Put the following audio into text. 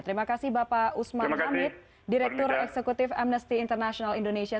terima kasih bapak usman hamid direktur eksekutif amnesty international indonesia